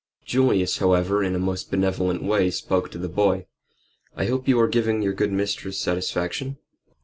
Julius, however, in a most benevolent way spoke to the boy "I hope you are giving your good mistress satisfaction?"